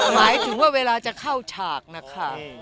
หมายถึงว่าเวลาจะเข้าฉากนะคะ